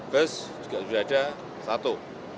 bus juga sudah ada satu